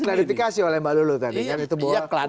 tapi sudah diklarifikasi oleh mbak lulu tadi kan